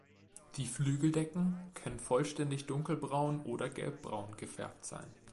Die Flügeldecken können vollständig dunkelbraun oder gelbbraun gefärbt sein.